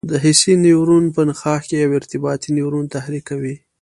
حسي نیورون په نخاع کې یو ارتباطي نیورون تحریکوي.